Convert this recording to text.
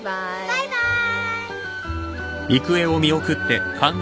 バイバーイ。